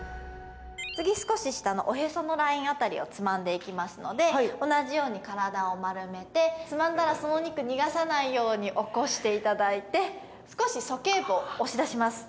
次少し下のおへそのライン辺りをつまんでいきますので同じように体を丸めてつまんだらそのお肉逃がさないように起こしていただいて少しそけい部を押し出します